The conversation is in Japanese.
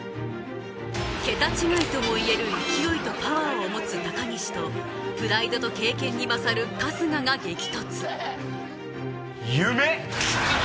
桁違いとも言える勢いとパワーを持つ高岸とプライドと経験に勝る春日が激突「夢」！